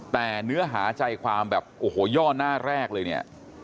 แต่เนื้อหาใจความแบบโอ้โหย่อหน้าแรกเลยเนี่ย